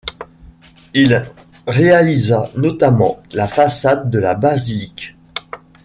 Il réalisa notamment la façade de la basilique.